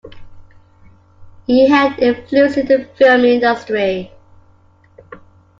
He had influence in the film industry.